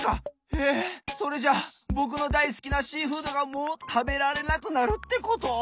えっそれじゃぼくのだいすきなシーフードがもうたべられなくなるってこと！？